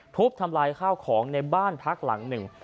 ทุบทำลายข้าวของในบ้านพักหลังหนึ่ง